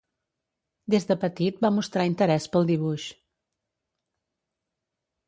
Des de petit va mostrar interès pel dibuix.